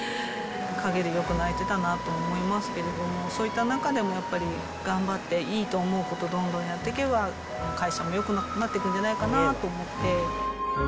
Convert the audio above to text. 陰でよく泣いてたなと思いますけども、そういった中でもやっぱり、頑張って、いいと思うことをどんどんやっていけば、会社もよくなっていくんじゃないかなと思って。